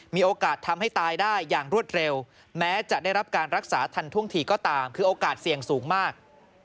มีโอกาสทำให้ตายได้อย่างรวดเร็วแม้จะได้รับการรักษาทันท่วงทีก็ตามคือโอกาสเสี่ยงสูงมาก